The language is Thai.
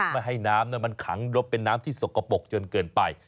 ไม่ให้น้ำมันขังรบเป็นน้ำที่สกปรกจนเกินไป